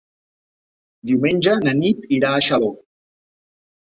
Diumenge na Nit irà a Xaló.